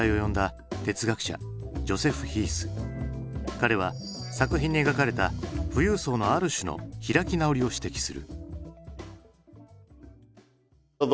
彼は作品に描かれた富裕層のある種の開き直りを指摘する。